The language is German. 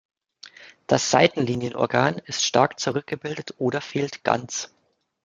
Das Seitenlinienorgan ist stark zurückgebildet oder fehlt ganz.